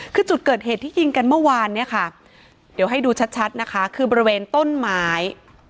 คือจุดเกิดเหตุที่ยิงกันเมื่อวานเนี่ยค่ะเดี๋ยวให้ดูชัดนะคะคือบริเวณต้นไม้